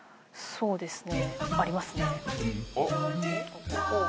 そうですね。